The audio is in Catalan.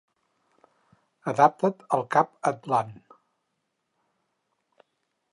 Adapta't al cap atlant.